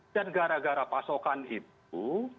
dan gara gara pasokan itu